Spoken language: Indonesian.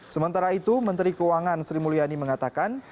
sementara itu menteri keuangan sri mulyani mengatakan